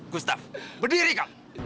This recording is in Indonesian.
gustaf berdiri kamu